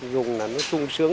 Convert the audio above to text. dùng là nó sung sướng